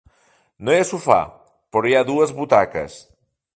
No hi ha sofà, però hi ha dues butaques.